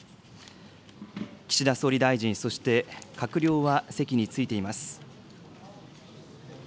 岸田総理大臣、そして閣僚は席に着いています。